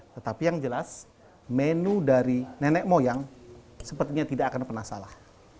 tetapi yang jelas menu dari nenek moyang sepertinya tidak akan pernah salah